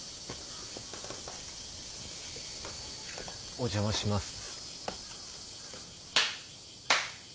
お邪魔します。